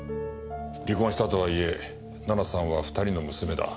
離婚したとはいえ奈々さんは２人の娘だ。